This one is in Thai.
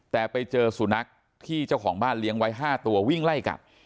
แต่ไปเจอสุนัขที่เจ้าของบ้านเลี้ยงไว้๕ตัววิ่งไล่กัด